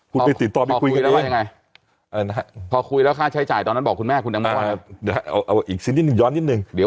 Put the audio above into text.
คุณไปติดต่อไปคุยกันเองพอคุยแล้วว่าอย่างไร